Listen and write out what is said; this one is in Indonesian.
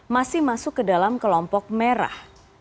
masih masuk ke dalam kelompok merah